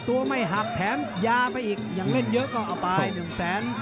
ตัวไม่หักแถมยาไปอีกอย่างเล่นเยอะก็เอาไปหนึ่งแสน